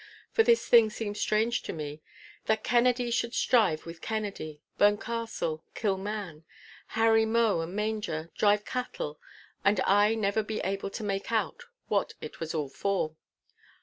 For this thing seemed strange to me—that Kennedy should strive with Kennedy, burn castle, kill man, harry mow and manger, drive cattle—and I never be able to make out what it was all for.